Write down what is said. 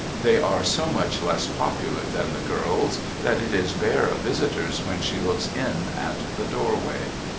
They are so much less popular than the girls that it is bare of visitors when she looks in at the doorway.